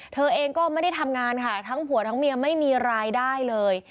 เธอเองก็ไม่ได้ทำงานค่ะทั้งผัวทั้งเมียไม่มีรายได้เลย